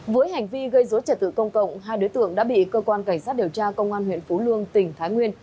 với hành vi gây dối trật tự công cộng hai đối tượng đã bị cơ quan cảnh sát điều tra công an huyện phú lương tỉnh thái nguyên